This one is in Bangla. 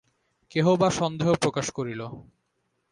কেহ বা সন্দেহ প্রকাশ করিল।